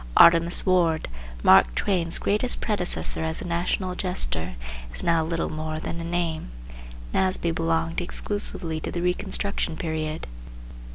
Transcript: Artemus Ward, Mark Twain's greatest predecessor as a National jester, is now little more than a name. Nasby belonged exclusively to the Reconstruction period.